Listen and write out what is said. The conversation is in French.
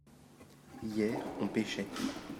hier on pêchait.